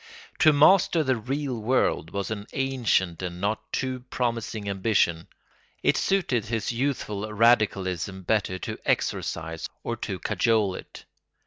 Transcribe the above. To master the real world was an ancient and not too promising ambition: it suited his youthful radicalism better to exorcise or to cajole it.